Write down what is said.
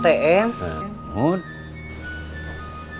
tunggu sebentar ya pak